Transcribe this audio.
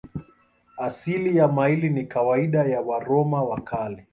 Asili ya maili ni kawaida ya Waroma wa Kale.